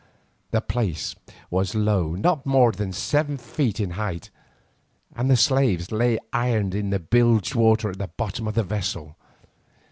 The place was low, not more than seven feet in height, and the slaves lay ironed in the bilge water on the bottom of the vessel.